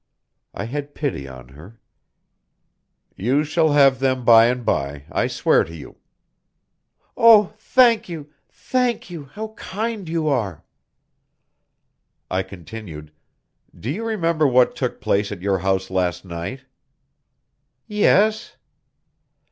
I had pity on her: "You shall have them by and by, I swear to you." "Oh! thank you! thank you! How kind you are!" I continued: "Do you remember what took place at your house last night?" "Yes."